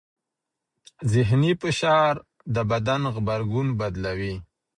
ذهني فشار د بدن غبرګون بدلوي.